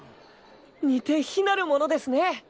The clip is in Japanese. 似て非なるものですね。